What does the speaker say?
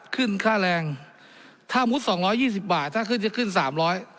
ขึ้นค่าแรงถ้ามุด๒๒๐บาทถ้าขึ้นจะขึ้น๓๐๐บาท